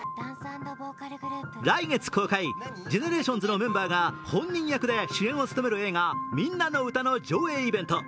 来月公開、ＧＥＮＥＲＡＴＩＯＮＳのメンバーが本人役で主演を務める映画「ミンナのウタ」の上映イベント。